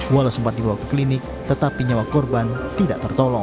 walau sempat dibawa ke klinik tetapi nyawa korban tidak tertolong